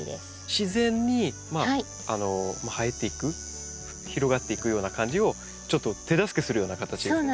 自然に生えていく広がっていくような感じをちょっと手助けするような形ですね。